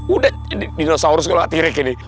udah dinosaurus kalau tirik ini